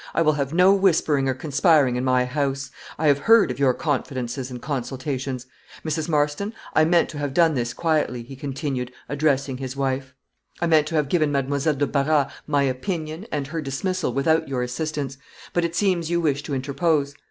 "I will have no whispering or conspiring in my house: I have heard of your confidences and consultations. Mrs. Marston, I meant to have done this quietly," he continued, addressing his wife; "I meant to have given Mademoiselle de Barras my opinion and her dismissal without your assistance; but it seems you wish to interpose.